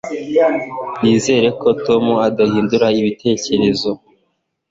Nizere ko Tom adahindura ibitekerezo